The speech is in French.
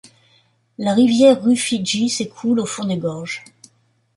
La rivière Rufiji s'écoule au fond des gorges.